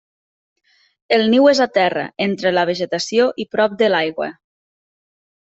El niu és a terra, entre la vegetació i prop de l'aigua.